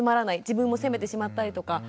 自分も責めてしまったりとか。